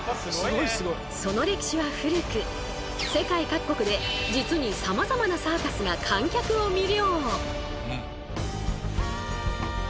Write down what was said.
その歴史は古く世界各国で実にさまざまなサーカスが観客を魅了。